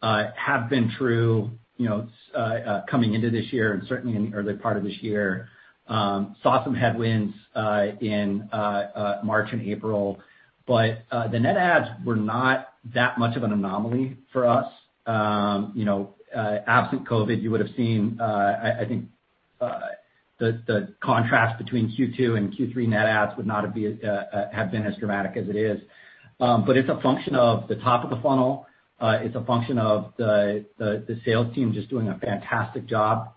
have been true coming into this year and certainly in the early part of this year. Saw some headwinds in March and April, but the net adds were not that much of an anomaly for us. Absent COVID, you would have seen, I think, the contrast between Q2 and Q3 net adds would not have been as dramatic as it is. But it's a function of the top of the funnel. It's a function of the sales team just doing a fantastic job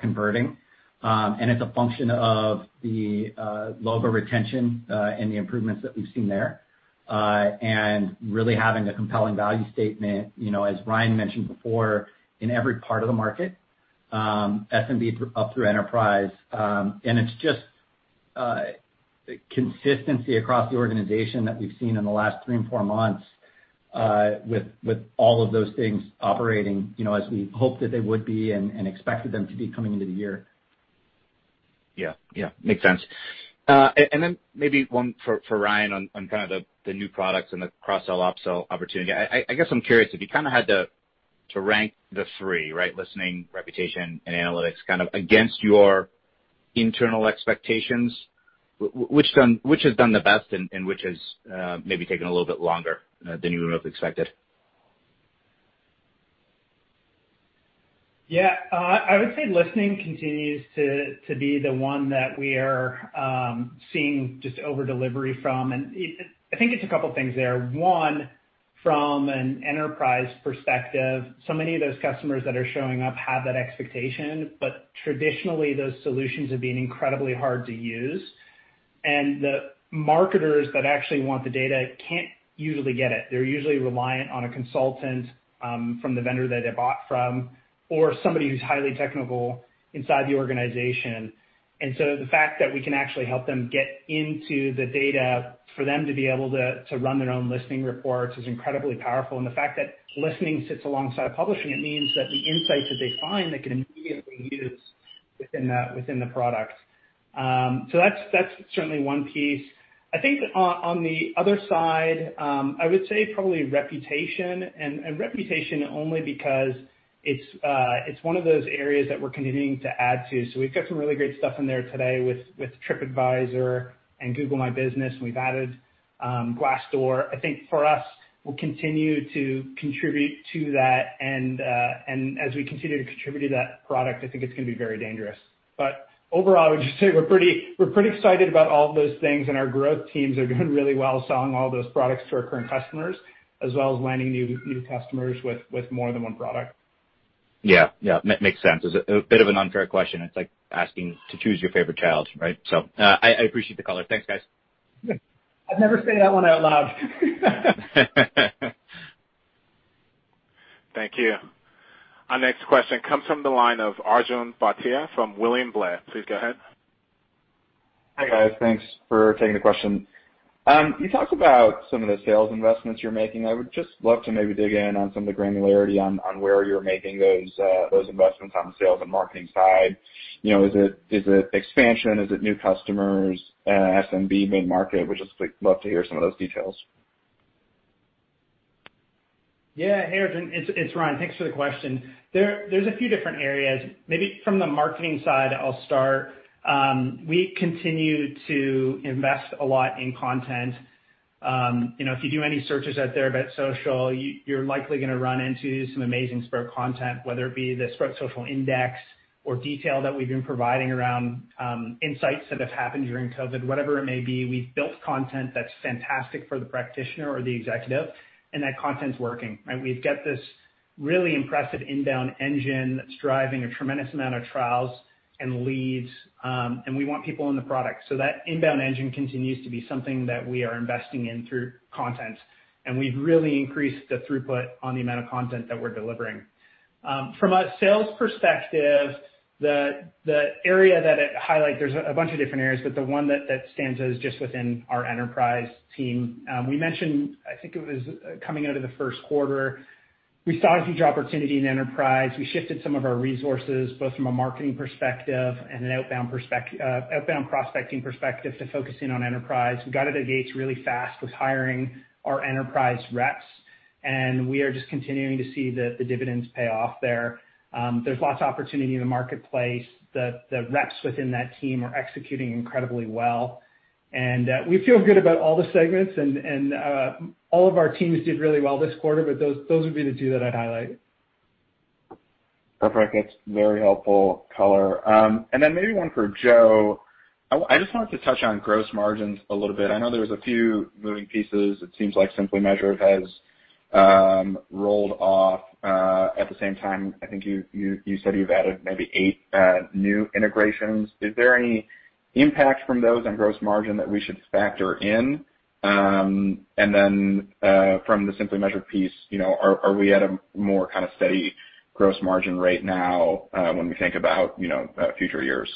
converting. And it's a function of the logo retention and the improvements that we've seen there and really having a compelling value statement, as Ryan mentioned before, in every part of the market, SMB up through enterprise. It's just consistency across the organization that we've seen in the last three and four months with all of those things operating as we hoped that they would be and expected them to be coming into the year. Yeah. Yeah. Makes sense, and then maybe one for Ryan on kind of the new products and the cross-sell/upsell opportunity. I guess I'm curious, if you kind of had to rank the three, right, listening, reputation, and analytics kind of against your internal expectations, which has done the best and which has maybe taken a little bit longer than you would have expected? Yeah. I would say listening continues to be the one that we are seeing just overdelivery from. And I think it's a couple of things there. One, from an enterprise perspective, so many of those customers that are showing up have that expectation, but traditionally, those solutions have been incredibly hard to use. And the marketers that actually want the data can't usually get it. They're usually reliant on a consultant from the vendor that they bought from or somebody who's highly technical inside the organization. And so the fact that we can actually help them get into the data for them to be able to run their own listening reports is incredibly powerful. And the fact that listening sits alongside publishing, it means that the insights that they find, they can immediately use within the product. So that's certainly one piece. I think on the other side, I would say probably reputation, and reputation only because it's one of those areas that we're continuing to add to. So we've got some really great stuff in there today with TripAdvisor and Google My Business, and we've added Glassdoor. I think for us, we'll continue to contribute to that, and as we continue to contribute to that product, I think it's going to be very dangerous, but overall, I would just say we're pretty excited about all of those things, and our growth teams are doing really well selling all those products to our current customers as well as landing new customers with more than one product. Yeah. Yeah. Makes sense. It's a bit of an unfair question. It's like asking to choose your favorite child, right? So I appreciate the color. Thanks, guys. I've never said that one out loud. Thank you. Our next question comes from the line of Arjun Bhatia from William Blair. Please go ahead. Hi, guys. Thanks for taking the question. You talked about some of the sales investments you're making. I would just love to maybe dig in on some of the granularity on where you're making those investments on the sales and marketing side. Is it expansion? Is it new customers, SMB, mid-market? We'd just love to hear some of those details. Yeah. Hey, Arjun. It's Ryan. Thanks for the question. There's a few different areas. Maybe from the marketing side, I'll start. We continue to invest a lot in content. If you do any searches out there about social, you're likely going to run into some amazing Sprout content, whether it be the Sprout Social Index or detail that we've been providing around insights that have happened during COVID, whatever it may be. We've built content that's fantastic for the practitioner or the executive, and that content's working, right? We've got this really impressive inbound engine that's driving a tremendous amount of trials and leads, and we want people in the product. So that inbound engine continues to be something that we are investing in through content. And we've really increased the throughput on the amount of content that we're delivering. From a sales perspective, the area that I'd highlight, there's a bunch of different areas, but the one that stands out is just within our enterprise team. We mentioned, I think it was coming out of the first quarter, we saw a huge opportunity in enterprise. We shifted some of our resources both from a marketing perspective and an outbound prospecting perspective to focusing on enterprise. We got out of the gates really fast with hiring our enterprise reps, and we are just continuing to see the dividends pay off there. There's lots of opportunity in the marketplace. The reps within that team are executing incredibly well, and we feel good about all the segments, and all of our teams did really well this quarter, but those would be the two that I'd highlight. Perfect. That's very helpful color. And then maybe one for Joe. I just wanted to touch on gross margins a little bit. I know there were a few moving pieces. It seems like Simply Measured has rolled off. At the same time, I think you said you've added maybe eight new integrations. Is there any impact from those on gross margin that we should factor in? And then from the Simply Measured piece, are we at a more kind of steady gross margin right now when we think about future years?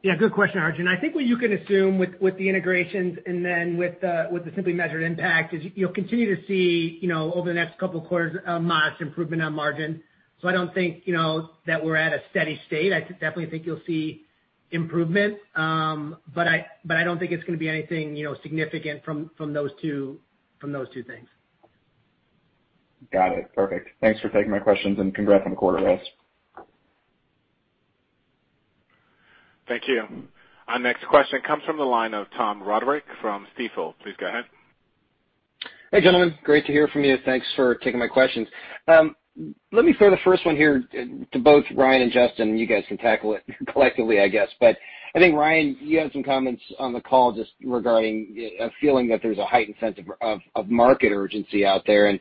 Yeah. Good question, Arjun. I think what you can assume with the integrations and then with the Simply Measured impact is you'll continue to see over the next couple of quarters a mass improvement on margin. So I don't think that we're at a steady state. I definitely think you'll see improvement, but I don't think it's going to be anything significant from those two things. Got it. Perfect. Thanks for taking my questions and congrats on the quarter results. Thank you. Our next question comes from the line of Tom Roderick from Stifel. Please go ahead. Hey, gentlemen. Great to hear from you. Thanks for taking my questions. Let me throw the first one here to both Ryan and Justyn. You guys can tackle it collectively, I guess. But I think, Ryan, you had some comments on the call just regarding a feeling that there's a heightened sense of market urgency out there. And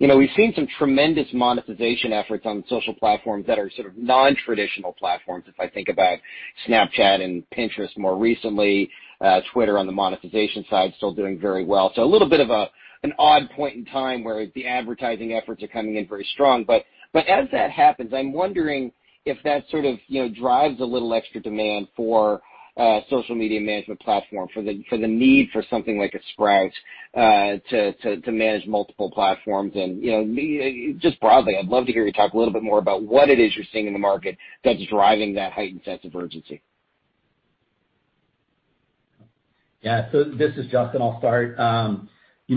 we've seen some tremendous monetization efforts on social platforms that are sort of non-traditional platforms if I think about Snapchat and Pinterest more recently, Twitter on the monetization side still doing very well. So a little bit of an odd point in time where the advertising efforts are coming in very strong. But as that happens, I'm wondering if that sort of drives a little extra demand for social media management platform, for the need for something like a Sprout to manage multiple platforms. Just broadly, I'd love to hear you talk a little bit more about what it is you're seeing in the market that's driving that heightened sense of urgency. Yeah. So this is Justyn. I'll start.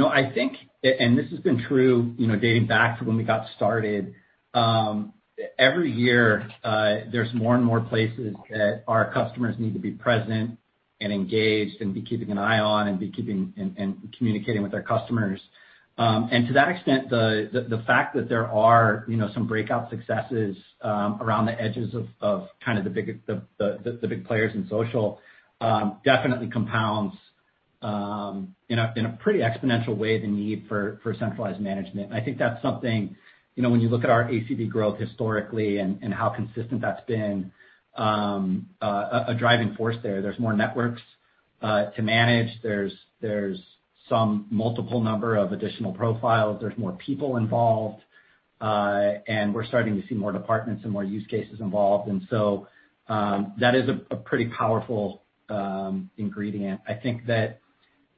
I think, and this has been true dating back to when we got started, every year, there's more and more places that our customers need to be present and engaged and be keeping an eye on and be keeping and communicating with their customers. To that extent, the fact that there are some breakout successes around the edges of kind of the big players in social definitely compounds in a pretty exponential way the need for centralized management. I think that's something when you look at our ACV growth historically and how consistent that's been a driving force there. There's more networks to manage. There's some multiple number of additional profiles. There's more people involved. We're starting to see more departments and more use cases involved. So that is a pretty powerful ingredient. I think that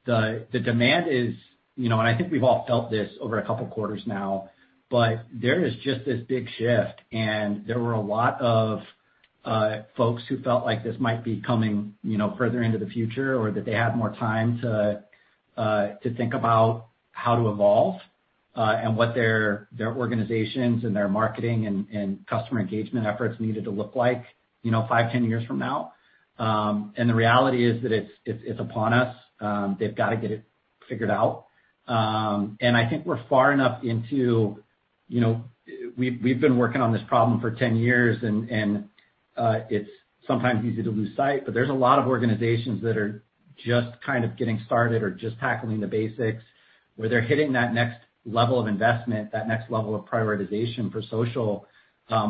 the demand is, and I think we've all felt this over a couple of quarters now, but there is just this big shift, and there were a lot of folks who felt like this might be coming further into the future or that they had more time to think about how to evolve and what their organizations and their marketing and customer engagement efforts needed to look like five, 10 years from now, and the reality is that it's upon us. They've got to get it figured out, and I think we're far enough into we've been working on this problem for 10 years, and it's sometimes easy to lose sight. But there's a lot of organizations that are just kind of getting started or just tackling the basics where they're hitting that next level of investment, that next level of prioritization for social,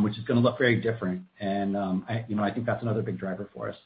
which is going to look very different. And I think that's another big driver for us.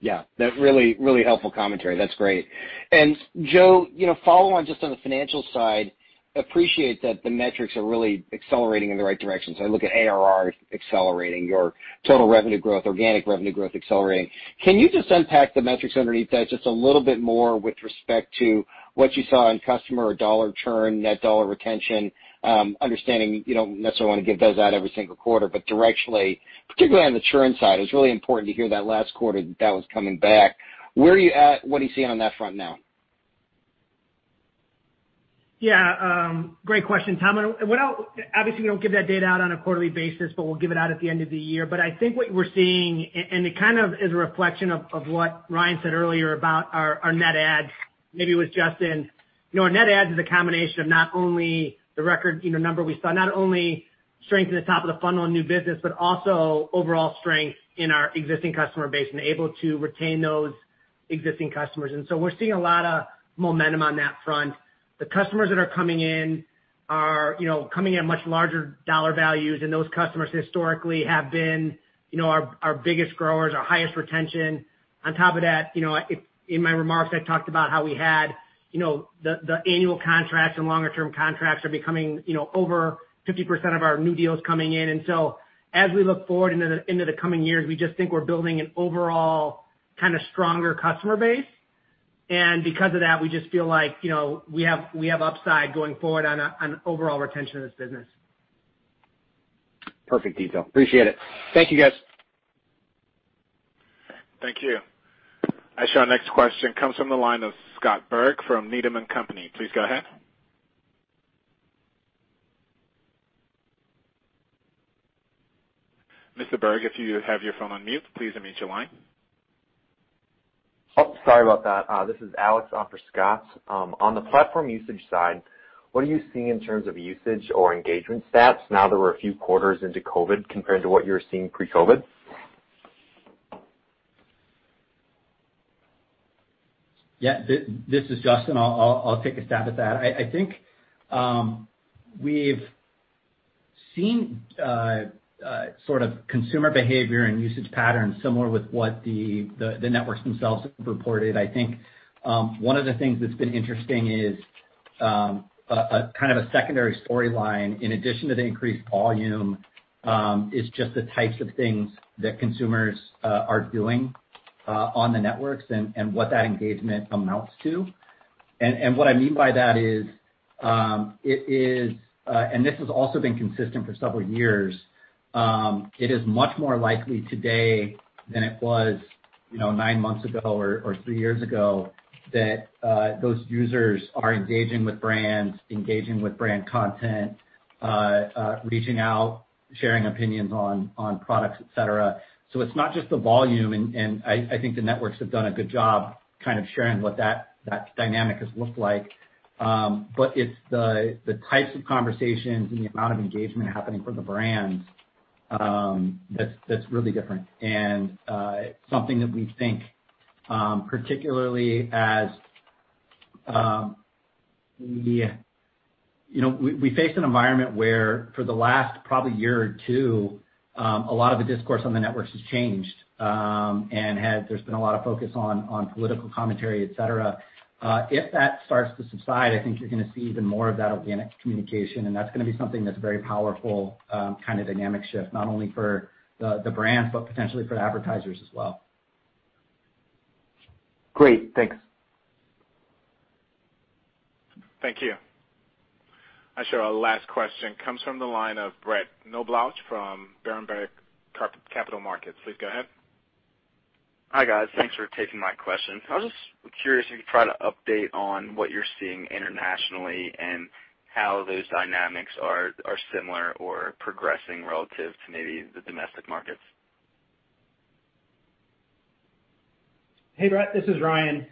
Yeah. Really, really helpful commentary. That's great. And Joe, following just on the financial side, appreciate that the metrics are really accelerating in the right direction. So I look at ARR accelerating, your total revenue growth, organic revenue growth accelerating. Can you just unpack the metrics underneath that just a little bit more with respect to what you saw in customer or dollar churn, net dollar retention, understanding you don't necessarily want to give those out every single quarter, but directionally, particularly on the churn side, it was really important to hear that last quarter that that was coming back. Where are you at? What are you seeing on that front now? Yeah. Great question, Tom. Obviously, we don't give that data out on a quarterly basis, but we'll give it out at the end of the year. But I think what we're seeing, and it kind of is a reflection of what Ryan said earlier about our net adds, maybe with Justyn. Our net adds is a combination of not only the record number we saw, not only strength at the top of the funnel in new business, but also overall strength in our existing customer base and able to retain those existing customers. And so we're seeing a lot of momentum on that front. The customers that are coming in are coming in at much larger dollar values, and those customers historically have been our biggest growers, our highest retention. On top of that, in my remarks, I talked about how we had the annual contracts and longer-term contracts are becoming over 50% of our new deals coming in. And so as we look forward into the coming years, we just think we're building an overall kind of stronger customer base. And because of that, we just feel like we have upside going forward on overall retention of this business. Perfect detail. Appreciate it. Thank you, guys. Thank you. Our next question comes from the line of Scott Berg from Needham & Company. Please go ahead. Mr. Berg, if you have your phone on mute, please unmute your line. Oh, sorry about that. This is Alex, rep for Scott's. On the platform usage side, what are you seeing in terms of usage or engagement stats now that we're a few quarters into COVID compared to what you were seeing pre-COVID? Yeah. This is Justyn. I'll take a stab at that. I think we've seen sort of consumer behavior and usage patterns similar with what the networks themselves have reported. I think one of the things that's been interesting is kind of a secondary storyline. In addition to the increased volume, it's just the types of things that consumers are doing on the networks and what that engagement amounts to. And what I mean by that is, and this has also been consistent for several years, it is much more likely today than it was nine months ago or three years ago that those users are engaging with brands, engaging with brand content, reaching out, sharing opinions on products, etc. So it's not just the volume, and I think the networks have done a good job kind of sharing what that dynamic has looked like. but it's the types of conversations and the amount of engagement happening from the brands that's really different, and something that we think, particularly as we face an environment where for the last probably year or two, a lot of the discourse on the networks has changed, and there's been a lot of focus on political commentary, etc. If that starts to subside, I think you're going to see even more of that organic communication, and that's going to be something that's a very powerful kind of dynamic shift, not only for the brands, but potentially for advertisers as well. Great. Thanks. Thank you. Our last question comes from the line of Brett Knoblauch from Berenberg Capital Markets. Please go ahead. Hi, guys. Thanks for taking my question. I was just curious if you could try to update on what you're seeing internationally and how those dynamics are similar or progressing relative to maybe the domestic markets? Hey, Brett. This is Ryan.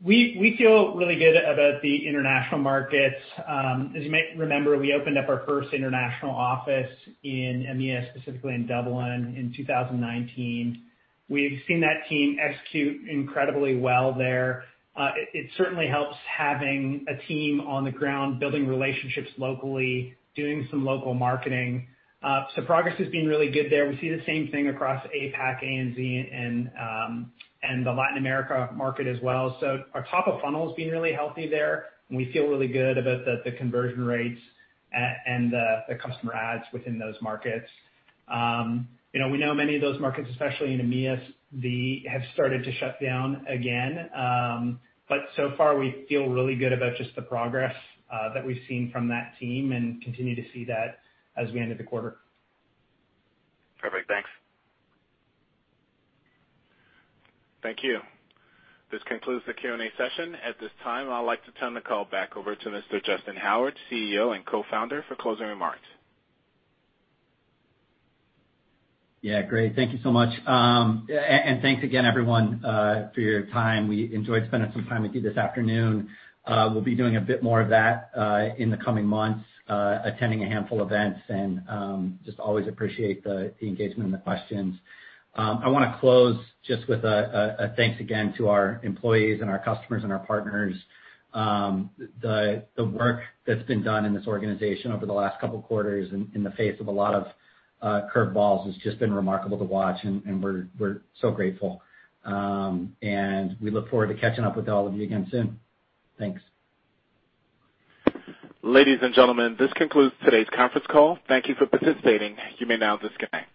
We feel really good about the international markets. As you might remember, we opened up our first international office in EMEA, specifically in Dublin in 2019. We've seen that team execute incredibly well there. It certainly helps having a team on the ground, building relationships locally, doing some local marketing, so progress has been really good there. We see the same thing across APAC, ANZ, and the Latin America market as well, so our top of funnel has been really healthy there, and we feel really good about the conversion rates and the customer adds within those markets. We know many of those markets, especially in EMEA, have started to shut down again, but so far, we feel really good about just the progress that we've seen from that team and continue to see that as we end of the quarter. Perfect. Thanks. Thank you. This concludes the Q&A session. At this time, I'd like to turn the call back over to Mr. Justyn Howard, CEO and co-founder, for closing remarks. Yeah. Great. Thank you so much. And thanks again, everyone, for your time. We enjoyed spending some time with you this afternoon. We'll be doing a bit more of that in the coming months, attending a handful of events, and just always appreciate the engagement and the questions. I want to close just with a thanks again to our employees and our customers and our partners. The work that's been done in this organization over the last couple of quarters in the face of a lot of curveballs has just been remarkable to watch, and we're so grateful. And we look forward to catching up with all of you again soon. Thanks. Ladies and gentlemen, this concludes today's conference call. Thank you for participating. You may now disconnect.